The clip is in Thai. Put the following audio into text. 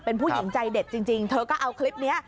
เป็นผู้หญิงใจเด็ดจริงเธอก็เอาคลิปนี้